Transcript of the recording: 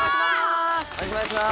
よろしくお願いします。